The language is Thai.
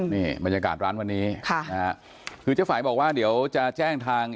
นี่บรรยากาศร้านวันนี้ค่ะนะฮะคือเจ๊ฝ่ายบอกว่าเดี๋ยวจะแจ้งทาง